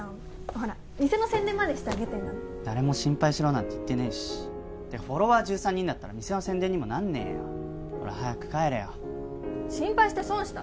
ほら店の宣伝までしてあげてんのに誰も心配しろなんて言ってねえしでフォロワー１３人だったら店の宣伝にもなんねえよほら早く帰れよ心配して損した！